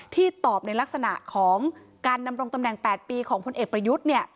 ที่ตอบในลักษณะของการดำรงตำแหน่ง๘ปีของพลเอกประยุทธ์